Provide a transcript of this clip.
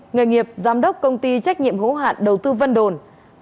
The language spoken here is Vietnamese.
nghề nghiệp giám đốc công ty trách nhiệm hữu hạn đầu tư vân đồn